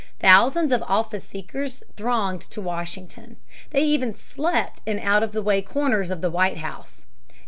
Thousands of office seekers thronged to Washington. They even slept in out of the way corners of the White House.